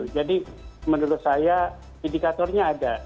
jadi menurut saya indikatornya ada